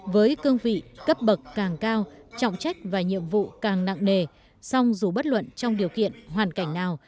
với cương vị cấp bậc càng cao trọng trách và nhiệm vụ càng nặng nề song dù bất luận trong điều kiện hoàn cảnh nào